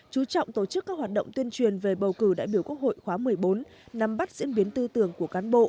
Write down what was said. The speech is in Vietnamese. chú trọng tổ chức các hoạt động tuyên truyền về bầu cử đại biểu quốc hội khóa một mươi bốn nắm bắt diễn biến tư tưởng của cán bộ